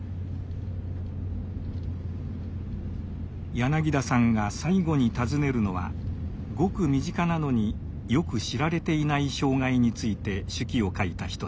柳田さんが最後に訪ねるのはごく身近なのによく知られていない障害について手記を書いた人です。